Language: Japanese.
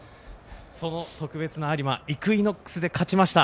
その特別な有馬イクイノックスで勝ちました。